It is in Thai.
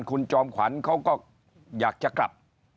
คุณจอมขวัญเขาก็อยากจะกลับ